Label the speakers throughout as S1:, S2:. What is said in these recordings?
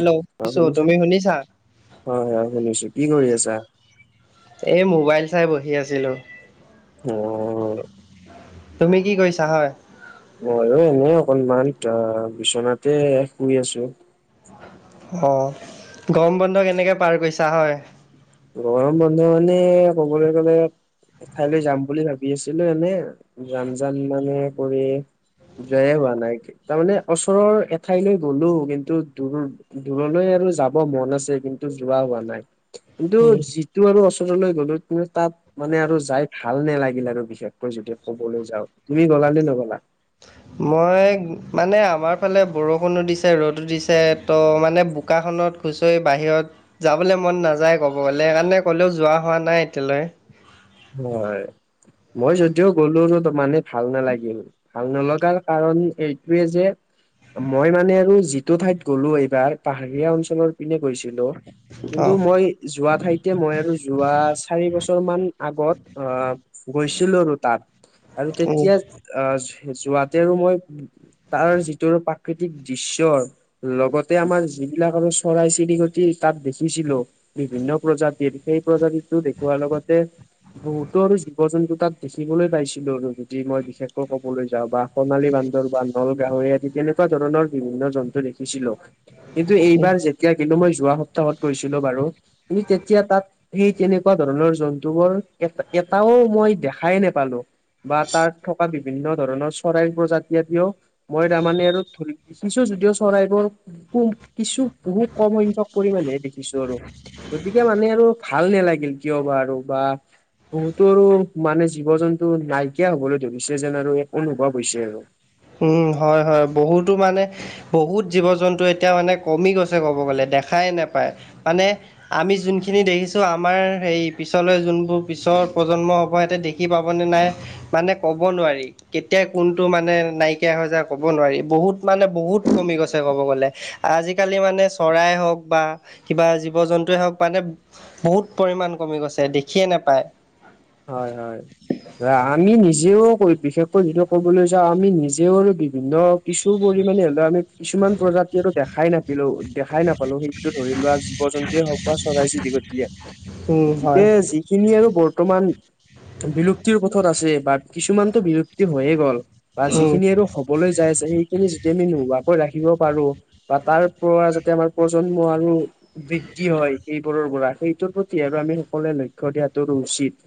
S1: Hello
S2: অ,
S1: শুনিছো
S2: শুনিছা?
S1: তুমি
S2: হয়- হয় শুনিছো। কি কৰি আছা?
S1: এই মোবাইল চাই বহি আছিলোঁ।
S2: অ।
S1: তুমি কি কৰিছা হয়?
S2: মইও এনে অকণমান অ, বিচনাতে শুই আছো।
S1: অঁ, গৰম বন্ধ কেনেকৈ পাৰ কৰিছা হয়?
S2: গৰম বন্ধু মানে ক'বলৈ গলে এঠাইলৈ যাম বুলি ভাবি আছিলো। এনে যাম- যাম মানে কৰি যোৱাই হোৱা নাই। তাৰমানে ওচৰৰ এঠাইলৈ গ'লো। কিন্তু দূৰ দূৰলৈ আৰু যাব মন আছে। কিন্তু যোৱা হোৱা নাই। কিন্তু
S1: উম,
S2: যিটো আৰু ওচৰলৈ গ'লো, কিন্তু তাত মানে আৰু যাই ভাল নালাগিল আৰু। বিশেষকৈ যদি ক'বলৈ যাওঁ। তুমি গ'লানে নগ'লা?
S1: মই মানে আমাৰ ফালে বৰষুণো দিছে, ৰ'দো দিছে, তো মানে বোকাখনত খুচৰি বাহিৰত যাবলৈ মন নাযায়, ক'ব গ'লে। সেইকাৰণে ক'লেও যোৱা হোৱা নাই এতিয়ালৈ।
S2: হয়, মই যদিও গ'লো, মানে ভাল নালাগিল। ভাল নলগাৰ কাৰণ এইটোৱে যে মই মানে আৰু যিটো ঠাইত গ'লো, এইবাৰ পাহাৰীয়া অঞ্চলৰ পিনে গৈছিলোঁ।
S1: অ
S2: কিন্তু মই যোৱা ঠাইতে মই আৰু যোৱা চাৰি বছৰ মান অ, গৈছিলোঁ আৰু তাত। আৰু তেতিয়া
S1: উম,
S2: আহ, যোৱাতে আৰু মই তাৰ, যিটো প্ৰাকৃতিক দৃশ্যৰ লগতে আমাৰ যিবিলাক আৰু চৰাই চিৰিকটি তাত দেখিছিলোঁ। বিভিন্ন প্ৰজাতিৰ সেই প্ৰজাতিটো দেখুওৱাৰ লগতে বহুতো আৰু জীৱ জন্তু তাত দেখিবলৈ পাইছিলোঁ আৰু যদি মই বিশেষকৈ ক'বলৈ যাওঁ বা সোণালী বান্দৰ বা নল গাহৰি আদি তেনেকুৱা ধৰণৰ বিভিন্ন জন্তু দেখিছিলোঁ। কিন্তু এইবাৰ যেত তিয়া কিন্তু মই যোৱা সপ্তাহত গৈছিলো বাৰু। কিন্তু তেতিয়া তাত সেই তেনেকুৱা ধৰণৰ জন্ তুৱৰ এ এটাও মই দেখাই নেপালো বা তাত থকা বি ভিন্ন ধৰণৰ চৰাই প্ৰজাতি এটিও মই তামানে আৰু ধৰি শুনছো যদিও চৰাইবোৰ সু কিছু বহুত কম সংখ্যক পৰিমানেহে দেখিছো আৰু। গতিকে মানে আৰু ভাল নালাগিল কিয় বা আৰু বা বহুতো আৰু মানে জীৱ-জন্তু নাইকিয়া হবলৈ ধৰিছে যেন আৰু একো অনুভৱ হৈছে আৰু।
S1: উম, হয় হয়, বহুতো মানে বহুত জীৱ-জন্তু এতিয়া মানে কমি গৈছে ক'ব গ'লে দেখাই নেপায় মানে আমি যোনখিনি দেখিছো আমাৰ সেই পিছলৈ যোনবোৰ পিছৰ প্ৰজন্ম হ'ব সিহতে দে খি পাবনে নাই মানে ক'ব নোৱাৰি। কেতিয়া কোনটো মানে নাইকিয়া হৈ যায় ক'ব নোৱাৰি। বহুত মানে বহুত কমি গৈছে ক'ব গ'লে। আজিকালি মানে চৰাই হওক বা কিবা জীৱ-জন্তুৱে হওক মানে বহুত পৰিমাণ কমি গৈছে দেখিয়ে নেপায়।
S2: হয় হয়। অ আমি নিজেও ক বিশেষকৈ যিটো ক'বলৈ যাওঁ আমি নিজেও আৰু বিভিন্ন কিছু পৰিমানে হ'লেও আমি কিছুমান প্ৰজাতি আৰু দেখাই নেপিলো দেখাই নাপালো সেই টো ধৰি লোৱা জীৱ-জন্তুয়ে হওক বা চৰাই-চিৰিকটিয়ে।
S1: উম হয়
S2: [unintelligible] খিনি আৰু বৰ্তমান
S1: [inaudible]
S2: বিলুপ্তিৰ পথত আছে বা কিছুমানতো বিলুপ্তি হৈয়ে গ'ল বা
S1: উম
S2: যিখিনি আৰু হ বলৈ যাই আছে সেইখিনি যেতিয়া আমি নোহোৱাকৈ ৰাখিব পাৰো বা তাৰ পৰা যাতে আমাৰ প্ৰজন্ম আৰু বৃদ্ধি হয় সেইবোৰৰ পৰা, সেইটোৰ প্ৰতি আৰু আমি সকলোৱে লক্ষ্য দিয়াটোৰো উচিত।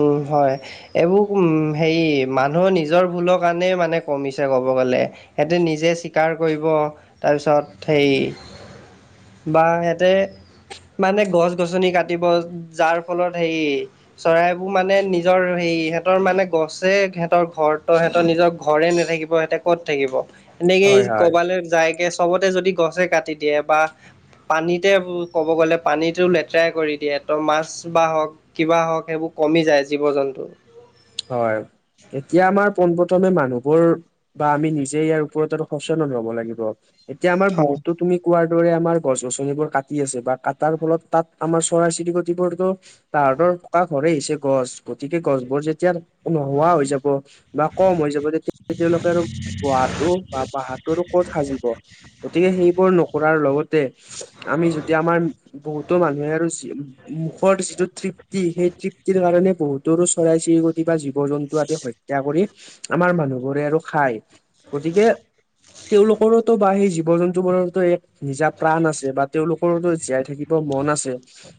S1: উম, হয়। এইবোৰ উম হেৰি মানুহৰ নিজৰ ভুলৰ কাৰণে মানে কমিছে কব গ'লে। সেহঁতে নিজে চিকাৰ কৰিব তাৰপিছত সেই বা সিহঁতে মানে গছ-গছনি কাটিব। যাৰ ফলত হেৰি চৰাইবোৰ মানে নিজৰ সেই সেহঁতৰ মানে গছে সেহঁতৰ ঘৰ, ত' সেহঁতৰ নিজৰ ঘৰে নাথাকিব সেহঁতে ক ক'ত থাকিব?
S2: হয়
S1: এনেকেই
S2: হয়
S1: ক'বালৈ যায়কে চবতে যদি গছে কাটি দিয়ে বা পানীতে ক'ব গ'লে পানীটো লেতৰাই কৰি দিয়ে। ত' মাছ বা হওঁক কিবা হওঁক সেইবোৰ কমি যায় জীৱ-জন্তু।
S2: হয়, এতিয়া আমাৰ পোনপ্ৰথমে মানুহবোৰ বা আমি নিজে ইয়াৰ ওপৰত আৰু সচেতন হ'ব লাগিব। এতিয়া আমাৰ
S1: হয়
S2: বহুতো তুমি কোৱাৰ দৰে আমাৰ গছ-গছনিবোৰ কাটি আছে বা কাটাৰ ফলত তাত আমাৰ চৰাই-চিৰিকটিবোৰতো তাহাঁতৰ থকা ঘৰেই আহি হৈছে গছ গতিকে গছবোৰ যেতিয়া নোহোৱা হৈ যাব বা কম হৈ যাব তেতিয়া তেওঁলোকে আৰু গোহাটো বা বাহাটো আৰু ক'ত সাজিব! গতিকে সেইবোৰ নকৰাৰ লগতে আমি যদি আমাৰ বহুতো মানুহে আৰু যি মুখৰ যিটো তৃপ্তি সেই তৃপ্তিৰ কাৰণে বহুতৰো চৰাই-চিৰিক টি বা জীৱ-জন্তু আদি হত্যা কৰি আমাৰ মানুহবোৰে আৰু খায়। গতিকে তেওঁলোকৰোতো বা সেই জীৱ-জন্তু বোৰোতো এক নিজা প্ৰাণ আছে বা তেওঁলোকৰোতো জীয়াই থাকিব মন আছে।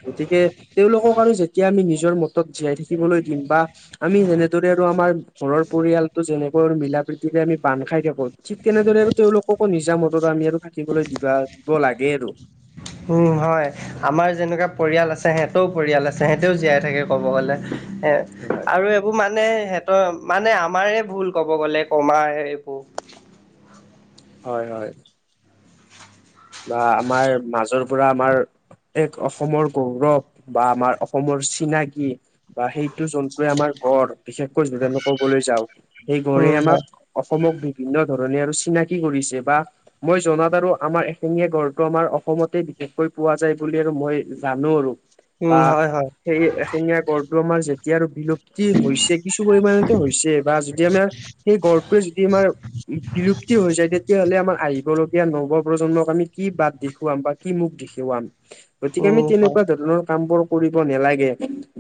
S2: গতিকে তেওঁলোকক আৰু যেতিয়া আমি নিজৰ মতত জীয়াই থাকিবলৈ দিম বা আমি যেনেদৰে আৰু আমাৰ ঘৰৰ পৰিয়ালটো যেনেকৈ আৰু মিলা প্ৰীতিৰে আমি বান্ধ খাই থাকো ঠিক তেনেদৰে আৰু তেওঁলোককো নিজামতত আমি আৰু থাকিবলৈ দিবা দিব লাগে আৰু
S1: উম হয়। আমাৰ যেনেকুৱা পৰিয়াল আছে, সিহঁতেও পৰিয়াল আছে সিহঁতেও জীয়াই থাকে কব গলে, এ
S2: হয়
S1: আৰু এইবোৰ মানে, সিহঁতৰ মানে আমাৰে ভুল কব গলে কমাৰ এইবোৰ
S2: হয় হয়। বা আমাৰ মাজৰ পৰা আমাৰ এক অসমৰ গৌৰৱ, বা আমাৰ অসমৰ চিনাকি। বা সেইটো জন্তুৱে আমাৰ গড়, বিশেষকৈ যোনে সকললৈ যাওঁক, সেই গড়ে
S1: উম
S2: আমাক
S1: হয়
S2: অসমক বিভিন্ন ধৰণে আৰু চিনাকি কৰিছে বা মই জনাত আৰু আমাৰ এশেঙীয়া গড়টো আমাৰ অসমতে বিশেষকৈ পোৱা যায় বুলি আৰু মই জানো আৰু
S1: উম
S2: বা
S1: হয় হয়।
S2: সেই এশেঙীয়া গড়টো আমাৰ যেতিয়া আৰু বিলুপ্ত যি হৈছে কিছু পৰিমানেটো হৈছে, বা যদি আমাৰ সেই গড়টোৱে যদি আমাৰ বিলুপ্তি হৈছে তেতিয়া হলে আমাৰ আহিব লগীয়া নব প্ৰজন্মক আমি কি বাট দেখুৱাম বা কি মুখ দেখুৱাম, গতিকে আমি
S1: উম হয়
S2: তেনেকুৱা ধৰণৰ কামবোৰ কৰিব নালাগে,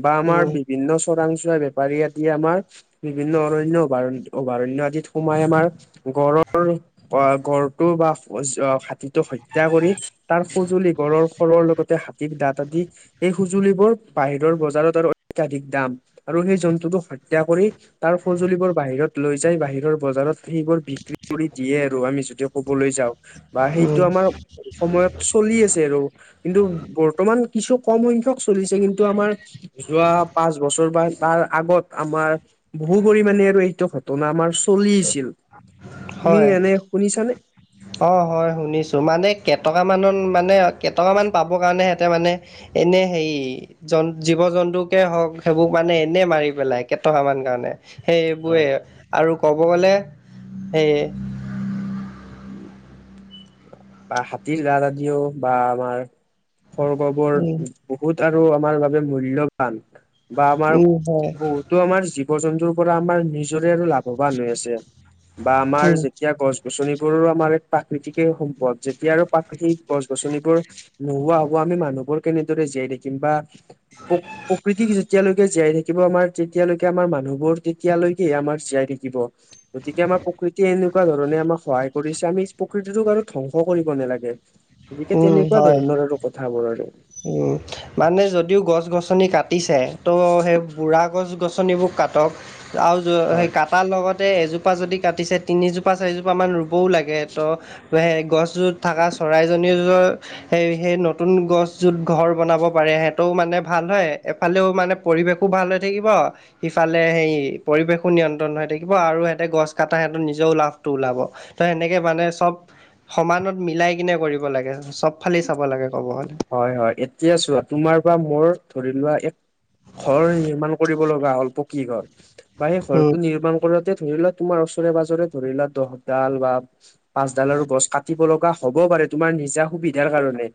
S2: বা আমাৰ
S1: উম
S2: বিভিন্ন চোৰাং চোৱা বেপাৰী আদি আমাৰ বিভিন্ন অৰণ্য অভয়াৰণ্য আদিত সোমাই আমাৰ গড়ৰ আহ, গড়টোৰ বা শস্য খাদ্য সেটো হত্যা কৰি, তাৰ সঁজুলি গড়ৰ হৰৰ লগতে হাতীৰ দাঁত আদি সেই সঁজুলিবোৰ বাহিৰৰ বজাৰত আৰু অত্যাধিক দাম, আৰু সেই জন্তুটোক হত্যা কৰি তাৰ সঁজুলিবোৰ বাহিৰত লৈ যাই, বাহিৰৰ বজাৰত সেইবোৰ বিক্ৰী কৰি দিয়ে আৰু আমি যদি ক'বলৈ যাওঁ, বা সেই
S1: উম
S2: সময়ত চলি আছে আৰু কিন্তু বৰ্তমান কিছু কম সংখ্যক চলিছে কিন্তু সেইটো আমাৰ যোৱা পাঁচ বছৰ বা তাৰ আগত আমাৰ বহু পৰিমাণে আৰু এইটো ঘটনা আমাৰ চলি আছিল, তুমি
S1: হয়
S2: এনে শুনিছানে?
S1: অ হয় শুনিছোঁ, মানে কেইটকামানত মানে কেইটকামান পাবৰ কাৰণে সেহঁতে মানে এনেই সেৰি জ জীৱ জন্তুকে হওক, সেইবোৰ মানে এনেই মাৰি পেলাই কেইটকমান কাৰণে সেইবোৰে
S2: হয়
S1: আৰু কব গলে, সেই
S2: বা হাতীৰ ৰা জাতিয়, ‌ বা আমাৰ সৰ্গবোৰ
S1: উম
S2: বহুত আৰু আমাৰ বাবে মূল্যবান বা আমাৰ
S1: উম হয়
S2: বহুত বহুতো আমাৰ জীৱ জন্তুৰ পৰা আমাৰ নিজৰে আৰু লাভৱান হৈ আছে বা আমাৰ
S1: উম,
S2: যেতিয়া গছ গছনিবোৰো আমাৰ এক প্ৰাকৃতিকে সম্পদ যেতিয়া আৰু প্ৰাকৃতিক গছ গছনিবোৰ নোহোৱা হব আমি মানুহবোৰ কেনেদৰে জীয়াই থাকিম বা প প্ৰকৃতি যেতিয়ালৈকে জীয়াই থাকিব আমাৰ, তেতিয়ালৈকে আমাৰ মানুহবোৰ তেতিয়ালৈকেহে আমাৰ জীয়াই থাকিব তেতিয়া আমাৰ প্ৰকৃতিয়ে এনেকুৱা ধৰণে আমাক সহায় কৰিছে আমি প্ৰকৃতিটোক আৰু ধ্বং ধ্বংস কৰিব নালাগে, এতিয়া
S1: উম
S2: তেনেকুৱা
S1: হয়।
S2: ধৰণৰ আৰু কথাবোৰ আৰু
S1: উম মানে যদিও গছ গছনি কাটিছে, তহ সেই বুঢ়া গছ গছনিবোৰ কাটক আৰু জ সেই
S2: হয়।
S1: কাটাৰ লগতে এজো এজোপা যদি কাটিছে তিনিজোপা চাৰিজোপামান ৰুবও লাগে তহ সেই গছ যত থকা চৰাইজনীৰ যত, সেই সেই নতুন গছ যত ঘৰ বনাব পাৰে সিহঁতেও মানে ভাল হয়, এফালেও মানে পৰিৱেশো ভাল হৈ থাকিব সিফালে সেই পৰিৱেশো নিয়ন্ত্ৰণ হৈ থাকিব আৰু সিহঁতে গছ কটা সিহঁতৰ নিজৰো লাভটো ওলাব ত' এনেকে মানে চব, সমানত মিলাই কিনে কৰিব লাগে, চব ফালি চাব লাগে ক'ব হ'লে।
S2: হয় হয়, এতিয়া চোৱা, তোমাৰ পৰা মোৰ ধৰি লোৱা এক ঘৰ নিৰ্মাণ কৰিব লগা হ'ল, পকী ঘৰ, বা সেই
S1: উম।
S2: ঘৰটো নিৰ্মাণ কৰাতে ধৰি লোৱা তোমাৰ ওচৰে পাজৰে ধৰি লোৱা, দহডাল বা পাছডালৰ আৰু গছ, কাটিব লগা হ'ব পাৰে, তোমাৰ নিজা সুবিধাৰ কাৰণে,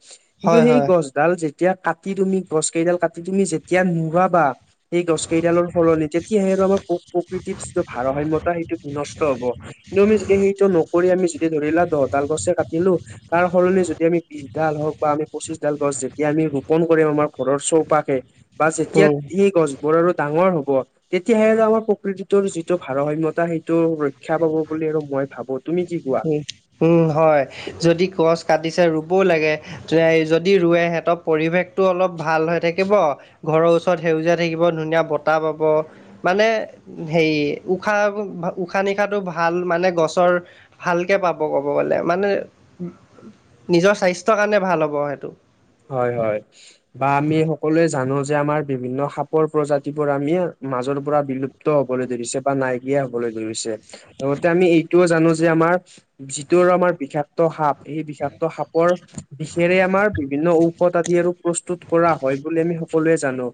S2: কিন্তু
S1: হয়
S2: সেই
S1: হয়
S2: গছডাল যেতিয়া কাটি তুমি, গছ কেইডাল কাটি তুমি যেতিয়া [unintelligible] সেই গছ কেইডালৰ সলনি, তেতিয়াহে আৰু আমাৰ প্ৰ-প্ৰকৃতিৰ যিটো ভাৰসাম্যতা সেইটো বিনষ্ট হ'ব। কিন্তু আমি যদি সেইটো নকৰি, আমি যদি ধৰি লোৱা, দহডাল গছেই কাটিলো। তাৰ সলনি যদি আমি বিছ ডাল হওঁক বা আমি পঁচিছডাল গছ যেতিয়া আমি ৰোপন কৰিম, আমাৰ ঘৰৰ চৌপাশে বা যেতিয়া
S1: উম
S2: সেই গছবোৰ আৰু ডাঙৰ হ'ব তেতিয়াহে আৰু আমাৰ প্ৰকৃতিটোৰ যিটো ভাৰসাম্যতা, সেইটো ৰক্ষা পাব বুলি আৰু মই ভাবো, তুমি কি কোৱা?
S1: উম উম হয়, যদি গছ কাটিছে ৰুবও লাগে। [unintelligible] যদি ৰোৱে, সিহঁতৰ পৰিৱেশটো অলপ ভাল হৈ থাকিব। ঘৰৰ ওচৰত সেউজীয়া হৈ থাকিব, ধুনীয়া বতাহ পাব। মানে হেৰি, উশাহ, উশাহ নিশাহটো ভাল মানে গছৰ ভালকে পাব ক'ব গ'লে মানে, নিজৰ স্বাস্থ্যৰ কাৰণে ভাল হ'ব সেইটো।
S2: হয় হয়। বা আমি সকলোৱে জানো যে, আমাৰ বিভিন্ন সাপৰ প্ৰজাতিৰ পৰা আমি মাজৰ পৰা বিলুপ লুপ্ত হ'বলৈ ধৰিছে বা নাইকিয়া হ'বলৈ ধৰিছে, লগতে আমি এইটোও জানো যে, আমাৰ যিটোৰ আমাৰ বিষাক্ত সাপ, সেই বিষাক্ত সাপৰ বিষেৰেই আমাৰ বিভিন্ন ঔষধ আদি আৰু প্ৰস্তুত কৰা হয় বুলি আমি সকলোৱেই জানো,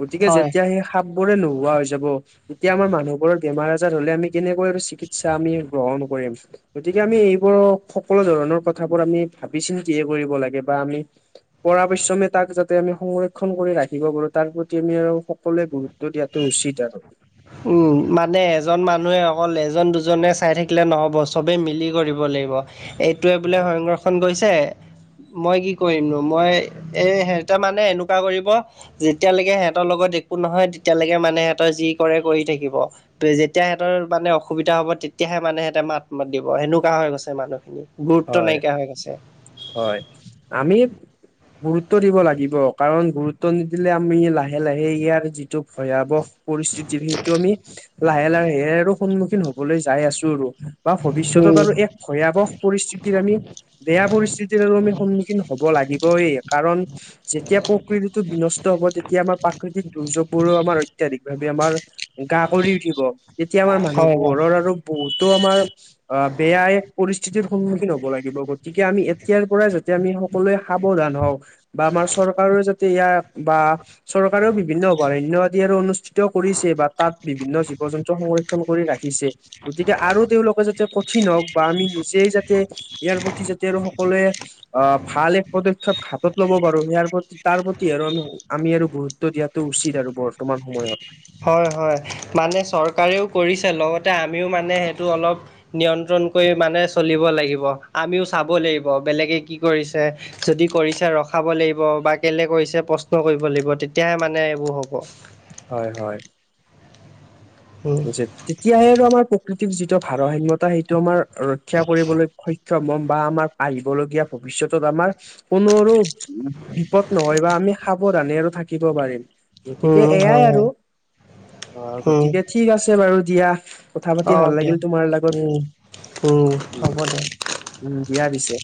S2: গতিকে
S1: হয়
S2: যেতিয়া সেই সাপ বোৰেই নোহোৱা হৈ যাব, তেতিয়া আমাৰ মানুহ বোৰৰ বেমাৰ আজাৰ হ'লে আমি কেনেকৈ আৰু চিকিৎসা আমি গ্ৰহণ কৰিম, গতিকে আমি এইবোৰক সকলো ধৰণৰ কথাবোৰ আমি ভাবি চিন্তিহে কৰিব লাগে বা আমি পৰাপক্ষে তাক যাতে আমি সংৰক্ষণ কৰি ৰাখিব পাৰো, তাৰ প্ৰতি আমি আৰু সকলোৱে গুৰুত্ব দিয়াটো উচিত আৰু।
S1: উম, মানে এজন মানুহে অকল এজন দুজনে চাই থাকিলে নহ'ব, চবেই মিলি কৰিব লাগিব। এইটোৱেই বোলে
S2: হয়
S1: সংৰক্ষণ কৰিছে মই কি কৰিমনো? মই এই, সিহঁতে মানে এনেকুৱা কৰিব যেতিয়ালৈকে সেহেতৰ লগত একো নহয়, তেতিয়ালৈকে মানে সিহঁতৰ যি কৰে কৰি থাকিব। যেতিয়া সিহতৰ মানে অসুবিধা হ'ব, তেতিয়াহে মানে হেতে মাত মাতিব, সেনেকুৱা হৈ গৈছে মানুহখিনি। গুৰুত্ব
S2: হয়
S1: নাইকিয়া হৈ গৈছে।
S2: হয়, আমি গুৰুত্ব দিব লাগিব, কাৰণ গুৰু [unintelligible] নিদিলে, আমি লাহে লাহে ইয়াৰ যিটো ভয়াৱহ পৰিস্থিতিৰ, সেইটো আমি লাহে লাহে আৰু সন্মুখীন হ'বলৈ যাই আছোঁ আৰু। বা ভৱিষ্যতত
S1: উম
S2: আৰু এক ভয়াৱহ পৰিস্থিতিৰ আমি বেয়া পৰিস্থিতিৰ আৰু আমি সন্মুখীন হ'ব লাগিবই, কাৰণ যেতিয়া প্ৰকৃতিটো বিনষ্ট হ'ব, তেতিয়া আমাৰ প্ৰাকৃতিক দুৰ্যোগবোৰো আমাৰ অত্যাধিকভাৱে আমাৰ গা কৰি উঠিব। তেতিয়া আমাৰ
S1: হয় হয়।
S2: মানুহবোৰৰ আৰু বহুতো আমাৰ অ' বেয়া এক পৰি স্থিতিৰ সন্মুখীন হ'ব লাগিব, গতিকে আমি এতিয়াৰ পৰাই যদি আমি সকলোৱে সাৱধান হওঁ বা আমাৰ চৰকাৰেও যাতে ইয়াক বা চৰকাৰেও বিভিন্ন অভয়াৰণ্য আদি আৰু অনুষ্ঠিত কৰিছে বা তাত বিভিন্ন জীৱ জন্তু সংৰ কম কৰি ৰাখিছে গতিকে আৰু তেওঁলোকে যাতে কঠিন হওঁক বা আমি সেই যাতে ইয়াৰ প্ৰতি যাতে আৰু সকলোৱে অহ ভাল এক পদক্ষেপ হাতত ল'ব পাৰো, ইয়াৰ প্ৰতি তাৰ প্ৰতি আৰু আমি। আমি আৰু গুৰুত্ব দিয়াটো উচিত আৰু বৰ্তমান সময়ত।
S1: হয় হয় মানে চৰকাৰেও কৰিছে লগতে আমিও মানে সেইটো অলপ নিয়ন্ত্ৰণ কৰি মানে চলিব লাগিব, আমিও চাব লাগিব, বেলেগে কি কৰিছে। যদি কৰিছে ৰখাব লাগিব বা কেলে কৰিছে প্ৰশ্ন কৰিব লাগিব তেতিয়াহে মানে এইবোৰ হ'ব।
S2: হয় হয়
S1: উম
S2: যে তেতিয়াহে আৰু আমাৰ প্ৰকৃতিৰ যিটো ভাৰসাম্যতা সেইটো আমাৰ ৰক্ষা কৰিবলৈ সক্ষম হম বা আমাৰ আহিবলগীয়া ভৱিষ্যতত আমাৰ কোনো আৰু বিপদ নহয় বা আমি সাৱধানে আৰু থাকিব পাৰিম। গতিকে
S1: উম
S2: এয়াই
S1: হয়
S2: আৰু
S1: হয়
S2: অ,
S1: উম
S2: গতিকে ঠিক আছে বাৰু দিয়া। কথা পাতি
S1: অ
S2: ভাল
S1: দিয়া
S2: লাগিল তোমাৰ লগত
S1: উম উম
S2: উ
S1: হ'ব দিয়া
S2: উম দিয়া পিছে।